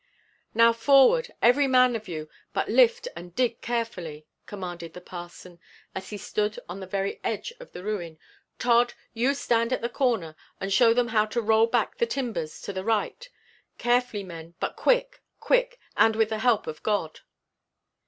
"Now forward, every man of you, but lift and dig carefully," commanded the parson, as he stood on the very edge of the ruin. "Todd, you stand at the corner and show them how to roll back the timbers to the right. Carefully, men, but quick, quick, and with the help of God!"